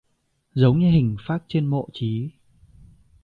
Giống như hình phác trên mộ chí